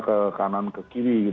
ke kanan ke kiri